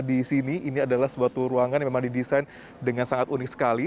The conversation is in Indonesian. di sini ini adalah sebuah ruangan yang memang didesain dengan sangat unik sekali